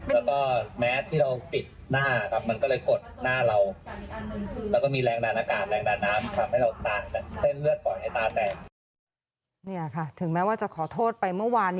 แล้วก็แม้ที่เราปิดหน้าครับมันก็เลยกดหน้าเรา